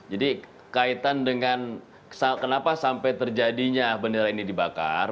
jadi kaitan dengan kenapa sampai terjadinya bendera ini dibakar